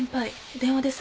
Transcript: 電話です。